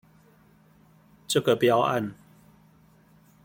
這個標案